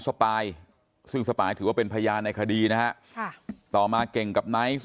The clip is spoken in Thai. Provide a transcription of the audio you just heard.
สปายซึ่งสปายถือว่าเป็นพยานในคดีนะฮะค่ะต่อมาเก่งกับไนท์